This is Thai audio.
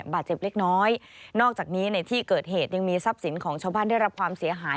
บาดเจ็บเล็กน้อยนอกจากนี้ในที่เกิดเหตุยังมีทรัพย์สินของชาวบ้านได้รับความเสียหาย